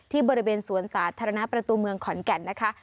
บริเวณสวนสาธารณะประตูเมืองขอนแก่นนะคะ